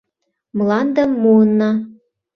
— Мландым муынна.